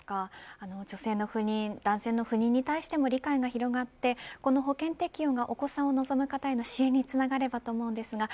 女性の不妊、男性の不妊に対しても理解が広まってこの保険適用がお子さんを望む方への支援につながればと思います。